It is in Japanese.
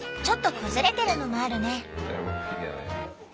ちょっと崩れてるのもあるね。